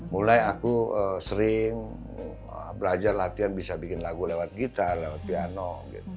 mulai aku sering belajar latihan bisa bikin lagu lewat kita lewat piano